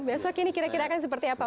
besok ini kira kira akan seperti apa